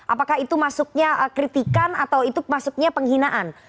apakah itu masuknya kritikan atau itu masuknya penghinaan